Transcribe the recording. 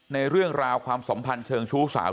ในเรื่องราวความสัมพันธ์เชิงชู้สาว